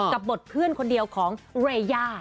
กับบทเพื่อนคนเดียวของเรย่า